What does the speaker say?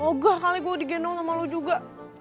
ogah kali gue digendong sama lo juga